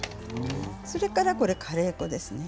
それからカレー粉ですね。